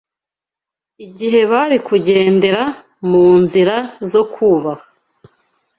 igihe bari kugendera mu nzira zo kubaha.